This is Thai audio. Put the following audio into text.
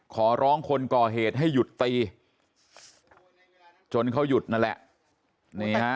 ขอร้องคนก่อเหตุให้หยุดตีจนเขาหยุดนั่นแหละ